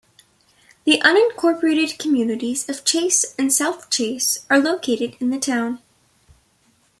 The unincorporated communities of Chase and South Chase are located in the town.